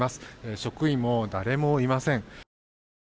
職員も誰もいません。